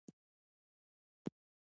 که ښځې خوندي وي نو ټولنه نه بې ثباته کیږي.